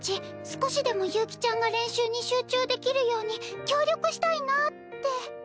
少しでも悠希ちゃんが練習に集中できるように協力したいなって。